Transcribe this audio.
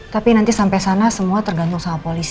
tapi nanti sampai sana semua tergantung sama polisi